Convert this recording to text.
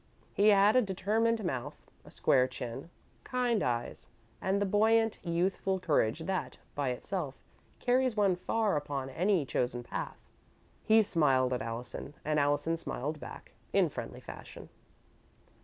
He had a determined mouth, a square chin, kind eyes, and the buoyant youthful courage that, by itself, carries one far upon any chosen path. He smiled at Allison and Allison smiled back at him, in friendly fashion.